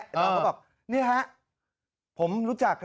ไอ้ดอมเขาบอกนี่ฮะผมรู้จัก